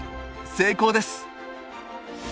成功です！